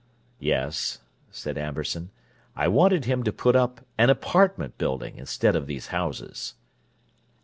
"Yes," said Amberson. "I wanted him to put up an apartment building instead of these houses."